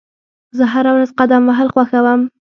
زه هره ورځ قدم وهل خوښوم.